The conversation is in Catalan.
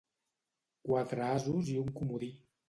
Quatre asos i un comodí.